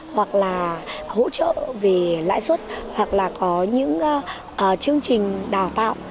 hoặc là hỗ trợ về lãi suất hoặc là có những chương trình đào tạo